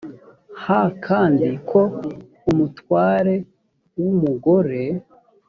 h kandi ko umutware w umugore